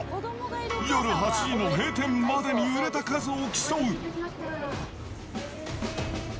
夜８時の閉店までに売れた数を競う。